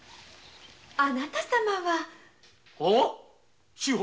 あなた様は‼志保？